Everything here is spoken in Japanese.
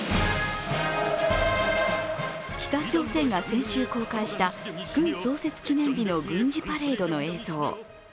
北朝鮮が先週公開した軍創設記念日の軍事パレードの映像。